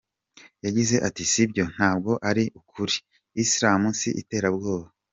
Yagize ati “Si byo, ntabwo ari ukuri, Islam si iterabwoba.